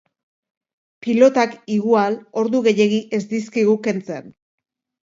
Pilotak igual ordu gehiegi ez dizkigu kentzen.